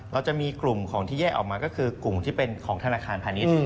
จะมีกลุ่มของที่แยกออกมาก็คือกลุ่มที่เป็นของธนาคารพาณิชย์